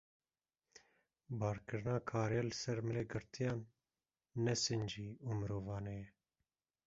Barkirina karê li ser milê girtiyan ne sincî û mirovane ye.